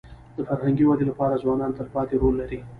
د فرهنګي ودي لپاره ځوانان تلپاتې رول لري.